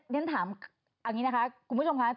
ด้วยถามอันนี้นะคะคุณผู้ชมค่ะ